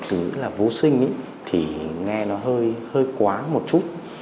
thứ là vô sinh thì nghe nó hơi quá một chút